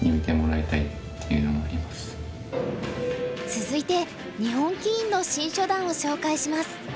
続いて日本棋院の新初段を紹介します。